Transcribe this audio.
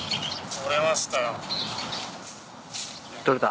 取れました。